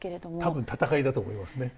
多分戦いだと思いますね。